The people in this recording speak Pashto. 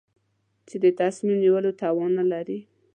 چې د تصمیم نیولو توان نه لري.